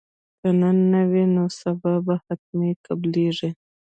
که نن نه وي نو سبا به حتما قبلیږي